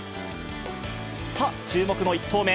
さあ、注目の１投目。